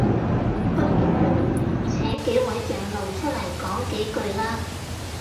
不如請幾位長老出嚟講幾句啦